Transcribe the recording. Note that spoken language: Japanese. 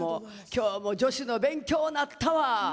今日は女子の勉強になったわ。